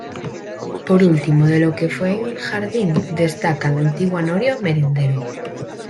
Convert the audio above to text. Por último, de lo que fue el jardín, destaca la antigua noria o merendero.